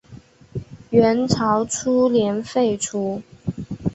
元朝初年废除。